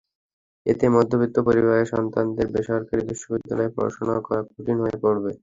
এতে মধ্যবিত্ত পরিবারের সন্তানদের বেসরকারি বিশ্ববিদ্যালয়ে পড়াশোনা করা কঠিন হয়ে পড়বে।